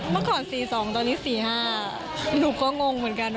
เมื่อก่อน๔๒ตอนนี้๔๕หนูก็งงเหมือนกัน